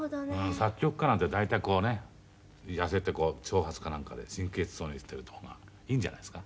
作曲家なんて大体こうね痩せて長髪かなんかで神経質そうにしてるとこがいいんじゃないですか。